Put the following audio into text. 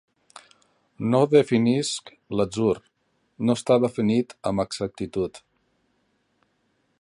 No definisc l'atzur, no està definit amb exactitud.